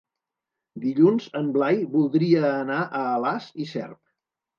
Dilluns en Blai voldria anar a Alàs i Cerc.